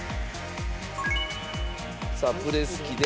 さあプレス機で。